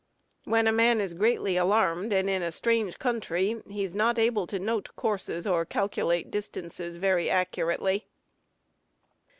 When a man is greatly alarmed, and in a strange country, he is not able to note courses, or calculate distances very accurately.